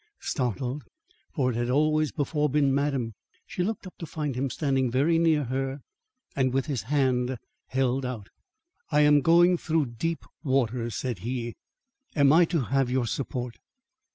Startled, for it had always before been Madam, she looked up to find him standing very near her and with his hand held out. "I am going through deep waters," said he. "Am I to have your support?"